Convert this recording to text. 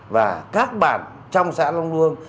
và các bản trong xã long luông